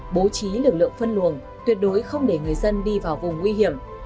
bố trí lực lượng phân luồng tuyệt đối không để người dân đi vào vùng nguy hiểm